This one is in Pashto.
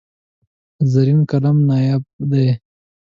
زرین قلم نایاب دی.